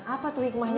apa tuh hikmahnya